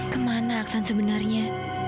kemana aksan sebenarnya